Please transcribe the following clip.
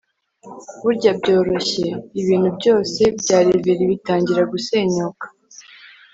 burya byoroshye ibintu byose bya reverie bitangira gusenyuka